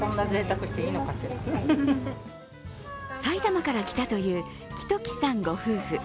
埼玉から来たという木時さん御夫婦。